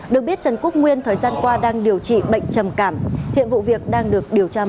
được biết trần quốc nguyên thời gian qua đang điều trị bệnh trầm cảm hiện vụ việc đang được điều tra mở rộng